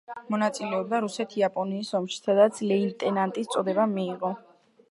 მონაწილეობდა რუსეთ-იაპონიის ომში, სადაც ლეიტენანტის წოდება მიიღო.